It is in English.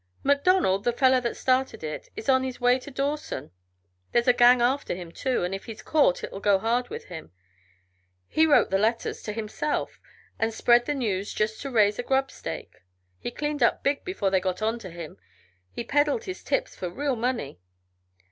"MacDonald, the fellow that started it, is on his way to Dawson. There's a gang after him, too, and if he's caught it'll go hard with him. He wrote the letters to himself and spread the news just to raise a grubstake. He cleaned up big before they got onto him. He peddled his tips for real money."